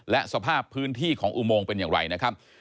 และสภาพพื้นที่ของอุโมงเป็นอย่างไรนะครับ